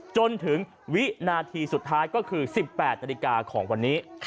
จนถึงวินาทีสุดท้ายก็คือ๑๘นาฬิกาของวันนี้